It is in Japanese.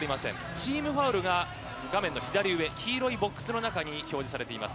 チームファウルが画面の左上、黄色いボックスの中に表示されています。